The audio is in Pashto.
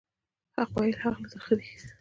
حق ویل ولې ترخه دي؟